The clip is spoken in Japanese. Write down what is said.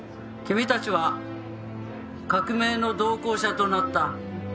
「君たちは革命の同行者となった」